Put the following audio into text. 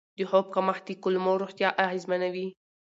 د خوب کمښت د کولمو روغتیا اغېزمنوي.